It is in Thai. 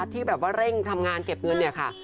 ที่เร่งด้งงานเก็บเงินนะคะ